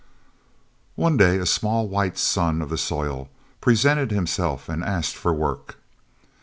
One day a small white son of the soil presented himself and asked for work.